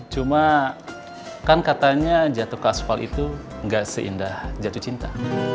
cuma kan katanya jatuh ke asfal itu gak seindah jatuh cinta